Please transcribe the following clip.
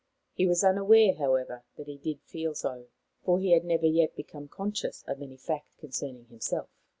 He was unaware, however, that he did feel so, for he had never yet become conscious of any fact concerning himself.